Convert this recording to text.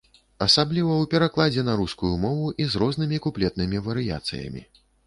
Асабліва ў перакладзе на рускую мову і з рознымі куплетнымі варыяцыямі.